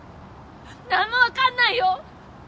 何もわかんないよ。